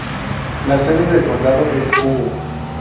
La sede del condado es Hugo.